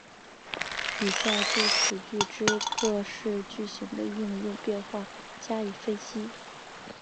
以下就此句之各式句型的应用变化加以分析。